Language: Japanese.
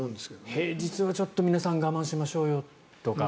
平日はちょっと皆さん我慢しましょうよとか。